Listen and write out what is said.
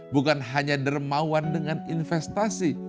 bukan hanya dermawan dengan investasi